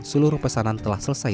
seluruh pesanan telah selesai